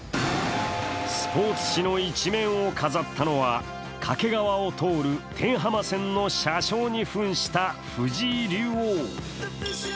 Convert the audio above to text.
スポーツ紙の一面を飾ったのは掛川を通る天浜線の車掌にふんした藤井竜王。